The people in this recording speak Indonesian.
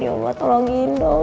ya allah tolongin dong